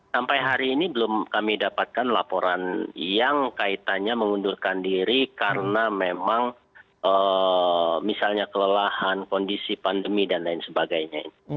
sampai hari ini belum kami dapatkan laporan yang kaitannya mengundurkan diri karena memang misalnya kelelahan kondisi pandemi dan lain sebagainya